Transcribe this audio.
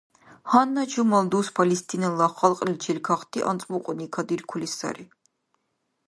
Гьанна чумал дус Палестинала халкьличил кахти анцӀбукьуни кадиркули сари.